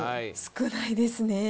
少ないですね。